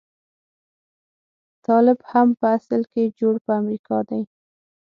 طالب هم په اصل کې جوړ په امريکا دی.